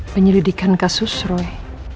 penyelidikan kasus roy